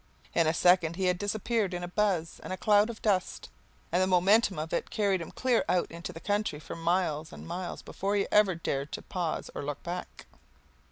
In a second he had disappeared in a buzz and a cloud of dust, and the momentum of it carried him clear out into the country for miles and miles before he ever dared to pause or look back.